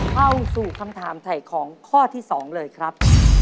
เข้าสู่คำถามถ่ายของข้อที่๒เลยครับ